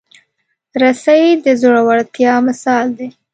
رسۍ د زړورتیا مثال دی.